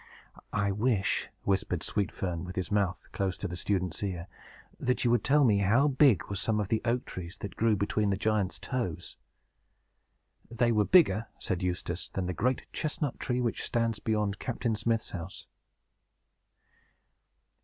"I wish," whispered Sweet Fern, with his mouth close to the student's ear, "that you would tell me how big were some of the oak trees that grew between the giant's toes." "They were bigger," said Eustace, "than the great chestnut tree which stands beyond Captain Smith's house."